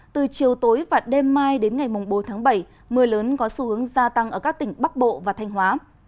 từ chiều tối và đêm mai đến ngày bốn tháng bảy mưa lớn có xu hướng gia tăng ở các tỉnh bắc bộ và thanh hóa